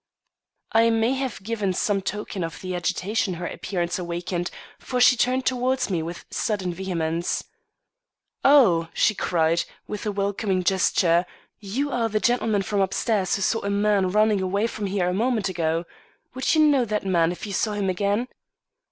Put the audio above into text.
I may have given some token of the agitation her appearance awakened, for she turned towards me with sudden vehemence. "Oh!" she cried, with a welcoming gesture; "you are the gentleman from up stairs who saw a man running away from here a moment ago. Would you know that man if you saw him again?"